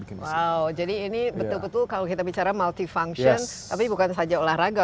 wow jadi ini betul betul kalau kita bicara multifunction tapi bukan saja olahraga